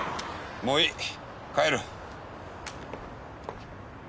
もういい帰る。